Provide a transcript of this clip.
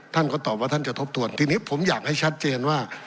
ท่านก็ตอบว่าท่านจะทบทวนทีนี้ผมอยากให้ชัดเจนว่า